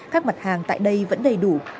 các mặt hàng tại đây vẫn đầy đủ